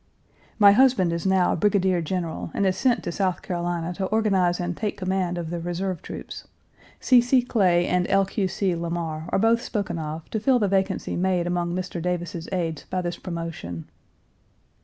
My husband is now brigadier general and is sent to South Carolina to organize and take command of the reserve troops. C. C. Clay and L. Q. C. Lamar are both spoken of to fill the vacancy made among Mr. Davis's aides by this promotion.